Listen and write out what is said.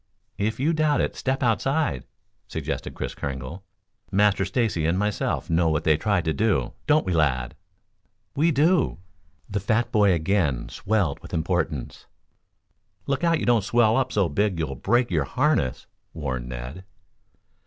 "If you doubt it step outside," suggested Kris Kringle. "Master Stacy and myself know what they tried to do, don't we, lad?" "We do." The fat boy again swelled with importance. "Look out you don't swell up so big you'll break your harness," warned Ned.